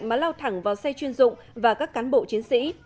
mà lao thẳng vào xe chuyên dụng và các cán bộ chiến sĩ